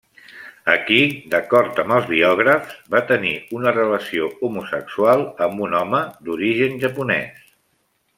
Aquí, d'acord amb els biògrafs, va tenir una relació homosexual amb un home d'origen japonès.